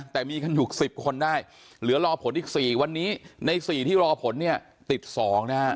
แต่มีกันอยู่๑๐คนได้เหลือรอผลอีก๔วันนี้ใน๔ที่รอผลเนี่ยติด๒นะฮะ